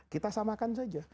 kita samakan saja